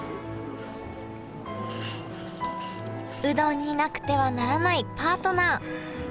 うどんになくてはならないパートナー。